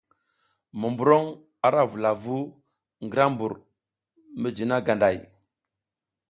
Monburoŋ, a vula vu ngra mbur mijina ganday.